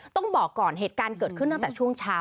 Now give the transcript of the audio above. ต้องบอกก่อนเหตุการณ์เกิดขึ้นตั้งแต่ช่วงเช้า